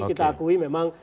kita akui memang